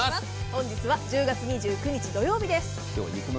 本日は１０月２９日土曜日です。